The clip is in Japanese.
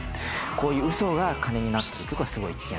こういうウソが金になってるっていうことがすごい危険。